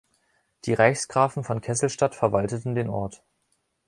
Die Reichsgrafen von Kesselstatt verwalteten den Ort.